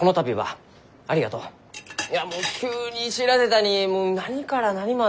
いやもう急に知らせたにもう何から何まで。